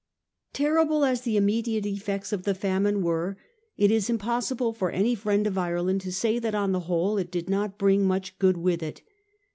Terrible as the immediate effects of the famine were, it is impossible for any friend of Ireland to say that on the whole it did not bring much good with it.